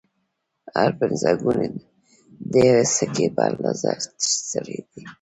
هر پنځه ګون د یوې سکې په اندازه پیر لري